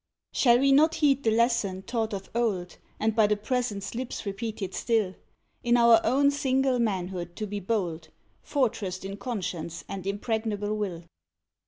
Shall we not heed the lesson taught of old, And by the Present's lips repeated still, In our own single manhood to be bold, Fortressed in conscience and impregnable will?